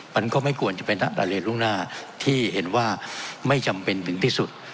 มันก็ไม่ควรจะเป็นอะไรล่วงหน้าที่เห็นว่าไม่จำเป็นถึงที่สุด